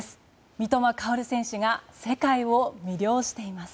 三笘薫選手が世界を魅了しています。